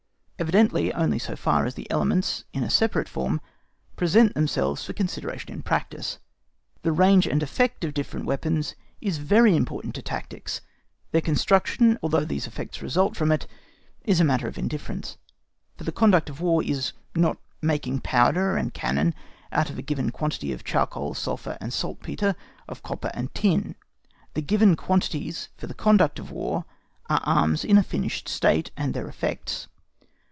Evidently only so far as the elements in a separate form present themselves for consideration in practice. The range and effect of different weapons is very important to tactics; their construction, although these effects result from it, is a matter of indifference; for the conduct of War is not making powder and cannon out of a given quantity of charcoal, sulphur, and saltpetre, of copper and tin: the given quantities for the conduct of War are arms in a finished state and their effects.